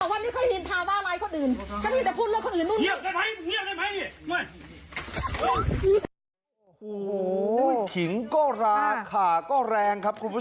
โอ้โหขิงก็ราคาก็แรงครับคุณผู้ชม